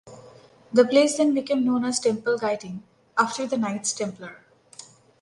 The place then became known as Temple Guiting after the Knights Templar.